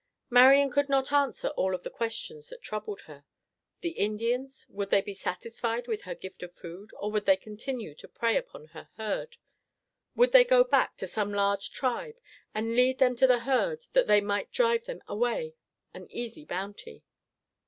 Marian could not answer all of the questions that troubled her. The Indians? Would they be satisfied with her gift of food, or would they continue to prey upon the herd? Would they go back to some large tribe and lead them to the herd that they might drive them away, an easy bounty?